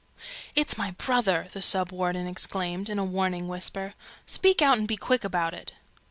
"It's my brother!" the Sub warden exclaimed, in a warning whisper. "Speak out, and be quick about it!"